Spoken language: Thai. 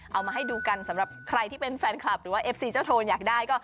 เอามาให้ดูกันสำหรับใครที่เป็นแฟนคลับหรือว่าเอฟซีเจ้าโทนอยากได้ก็